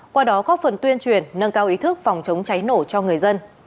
qua đó góp phần tuyên truyền nâng cao ý thức phòng chống cháy nổ cho người dân